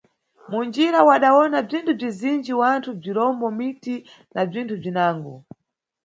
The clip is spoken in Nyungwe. Munjira, wadawona bzinthu bzizinji: wanthu, bzirombo, miti na bzinthu bzinango.